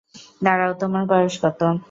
দাঁড়াও, তোমার বয়স কত?